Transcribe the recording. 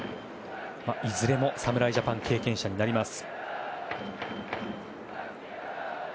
いずれも侍ジャパン経験者になります。